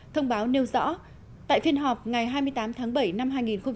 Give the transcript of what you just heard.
thông báo nêu rõ tại phiên họp ngày hai mươi tám tháng bảy năm hai nghìn một mươi bảy